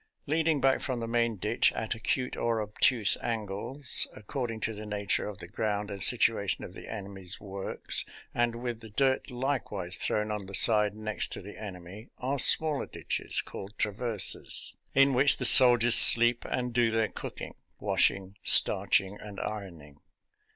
Leading back from the main ditch at acute or obtuse angles, according to the nature of the ground and situation of the enemy's works, and with the dirt likewise thrown on the side next to the enemy, are smaller ditches, called traverses, in which the soldiers sleep and do their cooking, washing, starching, and ironing.